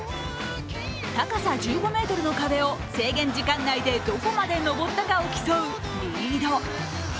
高さ１５ｍの壁を制限時間内でどこまで登ったかを競うリード。